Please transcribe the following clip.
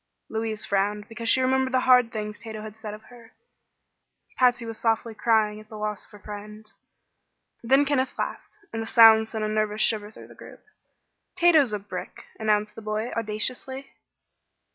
Louise frowned because she remembered the hard things Tato had said of her. Patsy was softly crying at the loss of her friend. Then Kenneth laughed, and the sound sent a nervous shiver through the group. "Tato's a brick!" announced the boy, audaciously.